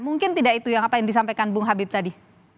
mungkin tidak itu yang apa yang disampaikan bung habib tadi